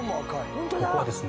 ここはですね